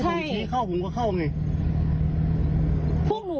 พี่มาปากหนูพี่มาปากหนู